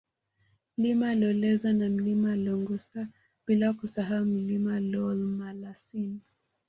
Mlima Loleza na Mlima Longosa bila kusahau mlima Loolmalasin